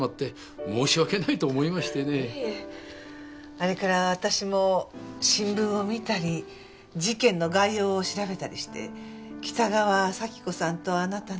あれから私も新聞を見たり事件の概要を調べたりして北川サキ子さんとあなたの。